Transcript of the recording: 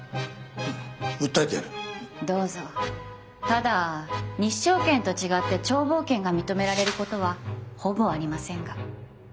ただ日照権と違って眺望権が認められることはほぼありませんが。